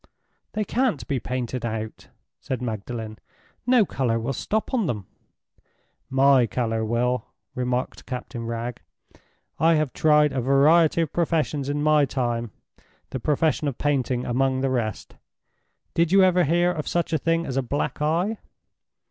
"They can't be painted out," said Magdalen. "No color will stop on them." "My color will," remarked Captain Wragge. "I have tried a variety of professions in my time—the profession of painting among the rest. Did you ever hear of such a thing as a Black Eye?